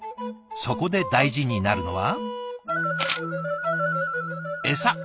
そこで大事になるのはエサ。